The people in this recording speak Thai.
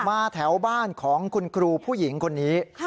แถวบ้านของคุณครูผู้หญิงคนนี้